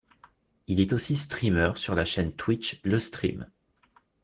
Il est aussi streamer sur la chaîne Twitch LeStream.